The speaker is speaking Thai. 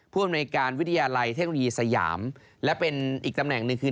อำนวยการวิทยาลัยเทคโนโลยีสยามและเป็นอีกตำแหน่งหนึ่งคือ